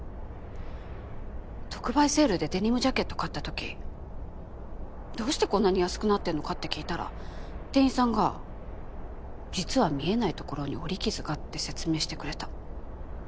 特売セールでデニムジャケット買ったときどうしてこんなに安くなってるのかって聞いたら店員さんが「実は見えないところに織り傷が」って説明してくれた。